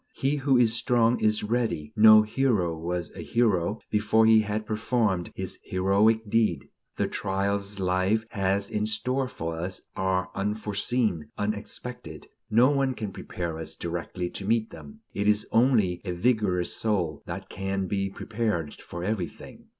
He who is strong is ready; no hero was a hero before he had performed his heroic deed. The trials life has in store for us are unforeseen, unexpected; no one can prepare us directly to meet them; it is only a vigorous soul that can be prepared for everything.